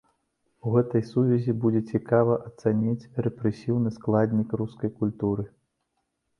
У гэтай сувязі будзе цікава ацаніць рэпрэсіўны складнік рускай культуры.